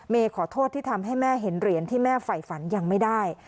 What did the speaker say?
ขอโทษที่ทำให้แม่เห็นเหรียญที่แม่ไฝฝันยังไม่ได้